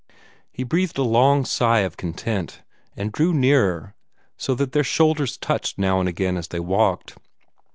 He breathed a long sigh of content, and drew nearer, so that their shoulders touched now and again as they walked.